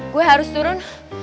gue harus turun